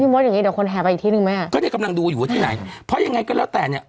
มดอย่างงี้เดี๋ยวคนแห่ไปอีกที่หนึ่งไหมอ่ะก็เนี่ยกำลังดูอยู่ว่าที่ไหนเพราะยังไงก็แล้วแต่เนี้ย